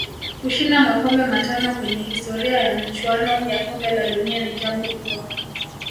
Kushinda makombe matano kwenye historia ya michuano ya kombe la dunia ni jambo kubwa